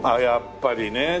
やっぱりね。